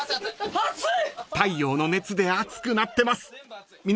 熱い。